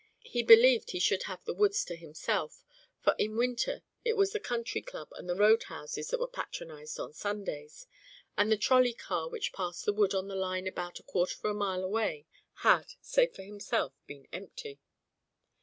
He believed he should have the woods to himself, for in winter it was the Country Club and the roadhouses that were patronised on Sundays; and the trolley car which passed the wood on the line about a quarter of a mile away had, save for himself, been empty.